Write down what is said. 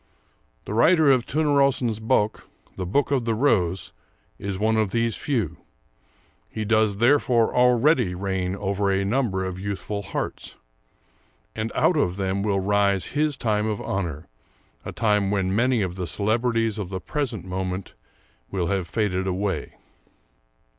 The writer of 'Törnrosens Bok' [The Book of the Rose] is one of these few; he does therefore already reign over a number of youthful hearts, and out of them will rise his time of honor, a time when many of the celebrities of the present moment will have faded away."